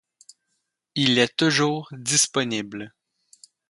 Il est toujours disponible.